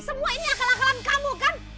semua ini yang kelam kelam kamu kan